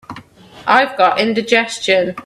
I've got indigestion.